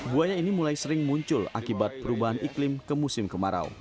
buaya ini mulai sering muncul akibat perubahan iklim ke musim kemarau